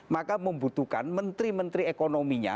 maka membutuhkan menteri menteri ekonominya